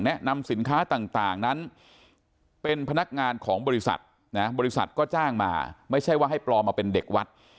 นำสินค้าต่างนั้นเป็นพนักงานของบริษัทนะบริษัทก็จ้างมาไม่ใช่ว่าให้ปลอมมาเป็นเด็กวัด